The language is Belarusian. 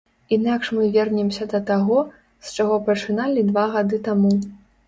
Інакш мы вернемся да таго, з чаго пачыналі два гады таму.